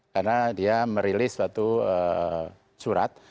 karena dia merilis suatu surat